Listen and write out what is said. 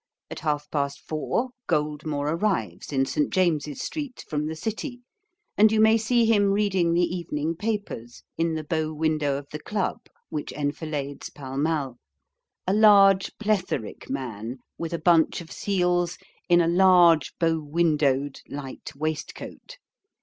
At half past four, Goldmore arrives in St. James's Street, from the City, and you may see him reading the evening papers in the bow window of the Club, which enfilades Pall Mall a large plethoric man, with a bunch of seals in a large bow windowed light waistcoat.